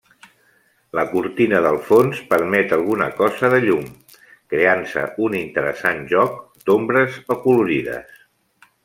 La cortina del fons permet alguna cosa de llum, creant-se un interessant joc d'ombres acolorides.